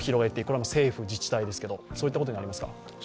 これは政府、自治体ですけどそういったことですか。